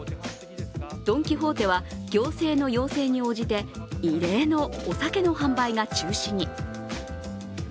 ドン・キホーテは行政の要請に応じて異例のお酒の販売が中止に。